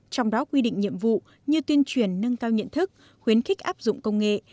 trong đó quy định nhiệm vụ như tuyên truyền nâng cao nhận thức khuyến khích áp dụng công nghệ